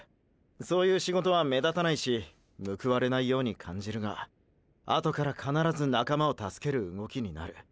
そういう仕事は目立たないし報われないように感じるがあとから必ず仲間を助ける動きになる。